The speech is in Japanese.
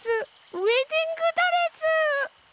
ウエディングドレス！